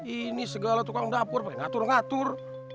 ini segala tukang dapur pakai ngatur ngatur